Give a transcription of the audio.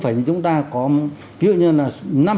phải chúng ta có ví dụ như là